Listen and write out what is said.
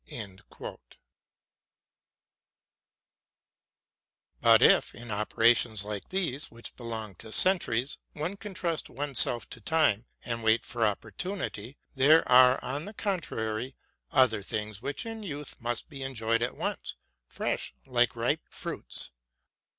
'' But if, in operations like these, which belong to centuries, one can trust one's self to time, and wait for opportunity, there are, on the contrary, other things which in youth must be enjoyed at once, fresh, like ripe fruits.